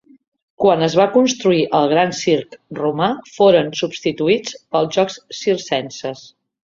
Quan es va construir el gran circ romà, foren substituïts pels jocs circenses.